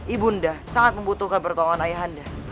ibu anda sangat membutuhkan pertolongan ayah anda